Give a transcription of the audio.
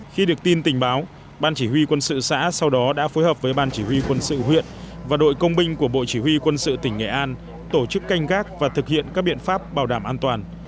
khi được tin tình báo ban chỉ huy quân sự xã sau đó đã phối hợp với ban chỉ huy quân sự huyện và đội công binh của bộ chỉ huy quân sự tỉnh nghệ an tổ chức canh gác và thực hiện các biện pháp bảo đảm an toàn